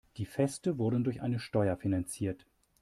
Die Feste wurden durch eine Steuer finanziert.